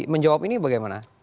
menjawab ini bagaimana